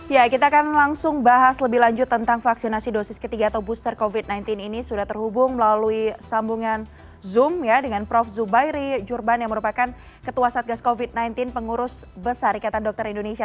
ya kita akan langsung bahas lebih lanjut tentang vaksinasi dosis ketiga atau booster covid sembilan belas ini sudah terhubung melalui sambungan zoom ya dengan prof zubairi jurban yang merupakan ketua satgas covid sembilan belas pengurus besar ikatan dokter indonesia